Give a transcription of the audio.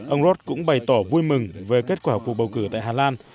ông rod cũng bày tỏ vui mừng về kết quả cuộc bầu cử tại hà lan